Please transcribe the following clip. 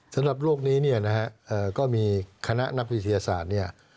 สำหรับโลกนี้ก็มีคณะนับวิทยาศาสตร์